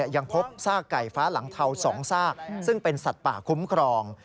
ยังพบซากไก่ฟ้าหลังเทา๒ซากซึ่งเป็นสัตว์ป่าคุ้มครอง